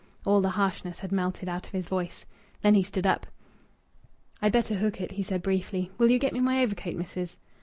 All the harshness had melted out of his voice. Then he stood up. "I'd better hook it," he said briefly. "Will you get me my overcoat, missis."